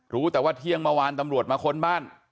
รู้แต่ว่าเที่ยงเมื่อวานตำรวจมาค้นบ้าน